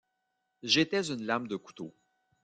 J'étais une lame de couteau.